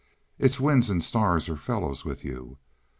Its winds and stars are fellows with you.